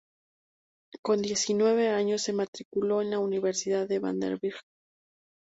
Con diecinueve años se matriculó en la Universidad de Vanderbilt.